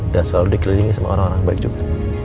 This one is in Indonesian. dan selalu dikelilingi sama orang orang baik juga